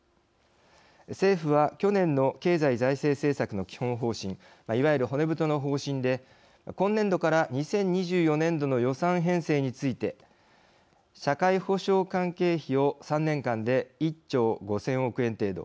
政府は去年の経済財政政策の基本方針いわゆる骨太の方針で今年度から２０２４年度の予算編成について社会保障関係費を３年間で１兆５０００億円程度。